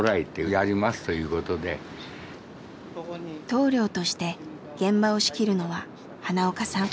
棟梁として現場を仕切るのは花岡さん。